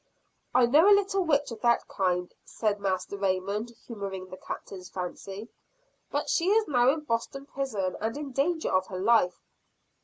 "I know a little witch of that kind," said Master Raymond, humoring the Captain's fancy; "but she is now in Boston prison, and in danger of her life."